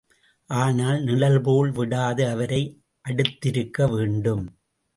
ஆனால் நிழல்போல் விடாது அவரை அடுத்திருக்க வேண்டும்.